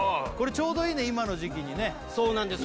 ちょうどいいね今の時期にねそうなんです